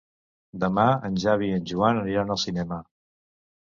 Demà en Xavi i en Joan aniran al cinema.